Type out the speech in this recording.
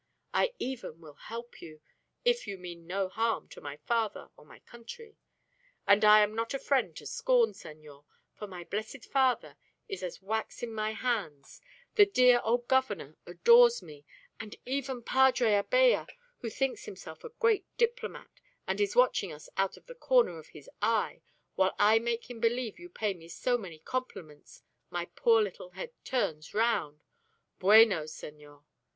I even will help you if you mean no harm to my father or my country. And I am not a friend to scorn, senor, for my blessed father is as wax in my hands, the dear old Governor adores me, and even Padre Abella, who thinks himself a great diplomat, and is watching us out of the corner of his eye, while I make him believe you pay me so many compliments my poor little head turns round Bueno senor!"